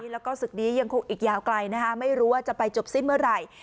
แล้วก็ศึกนี้ยังคงอีกยาวไกลนะคะไม่รู้ว่าจะไปจบสิ้นเมื่อไหร่